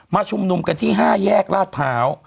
ชุมนุมกันที่๕แยกลาดพร้าว